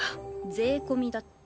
税込みだって。